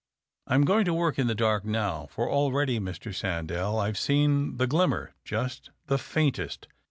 I'm going to work in the dark now, for already, Mr. Sandell, I've seen the glimmer — ^just the faintest.